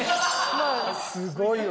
すごいわ。